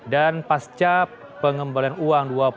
dan pasca pengembalian uang